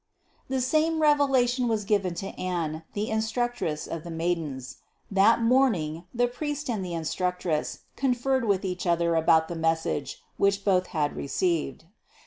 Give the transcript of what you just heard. The same revelation was given to Anne, the instructress of the maidens. That morning the priest and the instructress conferred with each other about the message, which both had received.